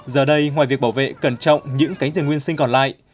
giờ đây ngoài việc bảo vệ cẩn trọng những cánh rừng nguyên sinh còn lại